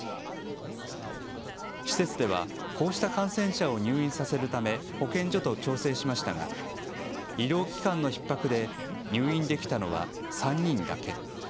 施設ではこうした感染者を入院させるため保健所と調整しましたが医療機関のひっ迫で入院できたのは３人だけ。